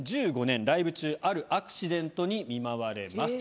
２０１５年ライブ中あるアクシデントに見舞われます。